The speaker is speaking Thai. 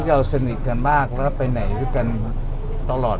เอพ่นก็กลับมาพูดเราเต็มมาก็ไปไหนแล้วกันอยู่กันตลอด